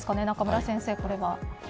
中村先生、これは。